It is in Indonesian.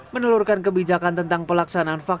menelurkan kebijakan tentang pelaksanaan covid sembilan belas